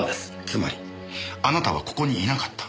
つまりあなたはここにいなかった。